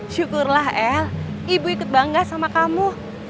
syukurlah el ibu ikut bangga sama kamu